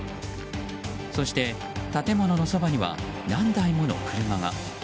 そして、建物のそばには何台もの車が。